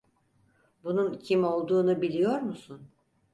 Bunun kim olduğunu biliyor musun?